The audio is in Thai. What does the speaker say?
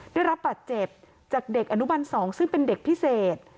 ได้รับบาดเจ็บจากเด็กอนุบัน๒ซึ่งเป็นเด็กพิเศษ